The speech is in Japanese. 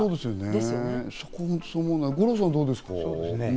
五郎さん、どうですか？